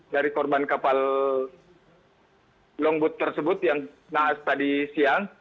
dari korban kapal longboot tersebut yang nahas tadi siang